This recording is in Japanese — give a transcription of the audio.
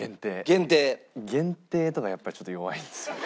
限定とかやっぱりちょっと弱いんですよね。